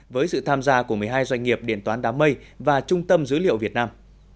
với sự tham gia của một mươi hai doanh nghiệp điện toán đám mây và trung tâm dữ liệu việt nam